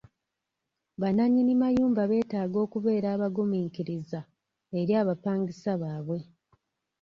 Bannannyini mayumba betaaga okubeera abagumiikiriza eri abapangisa baabwe.